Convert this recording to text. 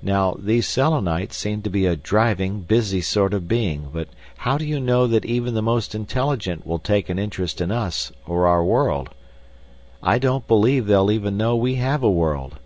Now, these Selenites seem to be a driving, busy sort of being, but how do you know that even the most intelligent will take an interest in us or our world? I don't believe they'll even know we have a world.